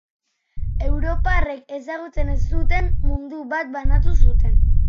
Europarrek ezagutzen ez zuten mundu bat banatu zuten.